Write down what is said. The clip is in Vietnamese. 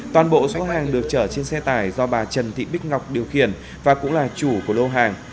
toàn bộ số hàng được chở trên xe tải do bà trần thị bích ngọc điều khiển và cũng là chủ của lô hàng